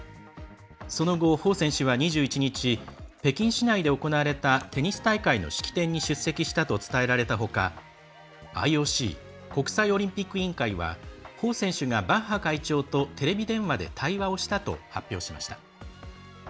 その後、彭選手は２１日北京市内で行われたテニス大会の式典に出席したと伝えられたほかＩＯＣ＝国際オリンピック委員会は彭選手がバッハ会長とテレビ電話で対話をしたと発表しました。